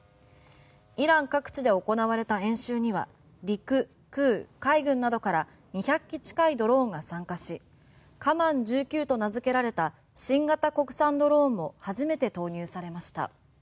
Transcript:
イラン各地で行われた演習には陸、空、海軍から２００機近いドローンが参加しカマン１９と名付けられた新型国産ドローンも初めて投入されました。